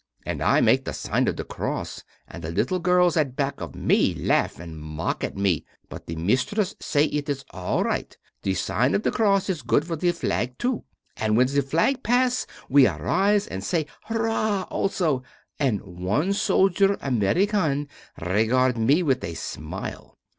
And I make the sign of the cross, and the little girls at back of me laugh and mock at me, but the mistress say it is right; the sign of the cross is good for the flag too. And when the flag is pass we arise and say hurrah also, and one soldier American regard me with a smile.